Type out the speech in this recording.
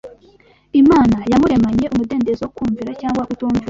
Imana yamuremanye umudendezo wo kumvira cyangwa kutumvira